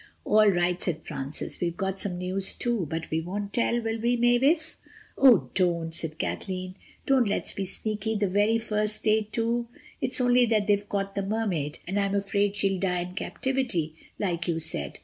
"All right," said Francis, "we've got some news too. But we won't tell, will we, Mavis?" "Oh don't," said Kathleen, "don't let's be sneaky, the very first day too. It's only that they've caught the Mermaid, and I'm afraid she'll die in captivity, like you said.